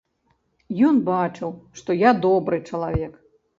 Ён бачыў, што я добры чалавек.